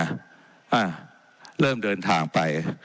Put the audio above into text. อ่ะเริ่มเดินทางไป